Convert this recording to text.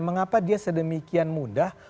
mengapa dia sedemikian mudah